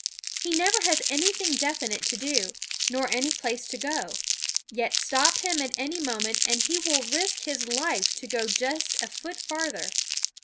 He never has anything definite to do, nor any place to go to ; yet stop him at any moment and he will risk his life to go just a foot farther.